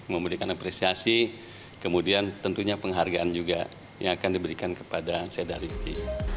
memberikan apresiasi kemudian tentunya penghargaan juga yang akan diberikan kepada seda ricky